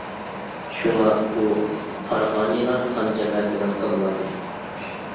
شۇڭا ئۇ قاراخانىيلار خان جەمەتىنىڭ ئەۋلادى.